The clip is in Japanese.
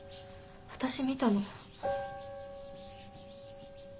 私見たの。